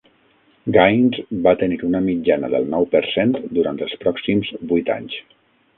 Gains va tenir una mitjana del nou per cent durant els pròxims vuit anys.